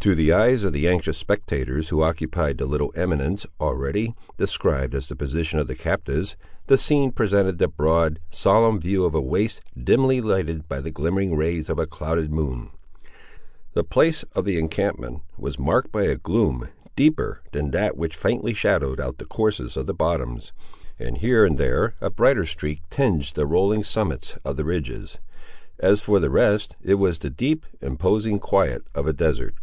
To the eyes of the anxious spectators who occupied the little eminence, already described as the position of the captives, the scene presented the broad, solemn view of a waste, dimly lighted by the glimmering rays of a clouded moon. The place of the encampment was marked by a gloom deeper than that which faintly shadowed out the courses of the bottoms, and here and there a brighter streak tinged the rolling summits of the ridges. As for the rest, it was the deep, imposing quiet of a desert.